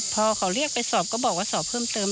พอเขาเรียกไปสอบก็บอกว่าสอบเพิ่มเติม